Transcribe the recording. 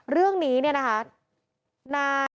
เรื่องนี้เนี่ยนะคะ